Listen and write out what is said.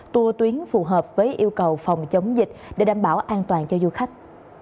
tour tuyến phù hợp với yêu cầu phòng chống dịch để đảm bảo an toàn cho du khách